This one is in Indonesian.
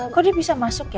kok dia bisa masuk ya